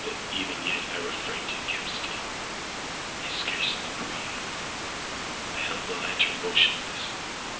But even yet I refrained and kept still. I scarcely breathed. I held the lantern motionless.